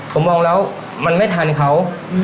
ผมมองแล้วมันไม่ทันเขา